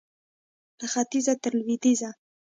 له ختیځه تر لوېدیځه